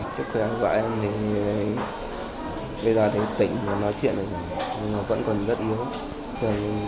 trước khi em bé em thì bây giờ thấy tỉnh và nói chuyện rồi nhưng nó vẫn còn rất yếu